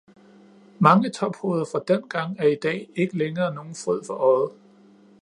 Mange tophoveder fra dengang er i dag ikke længere nogen fryd for øjet.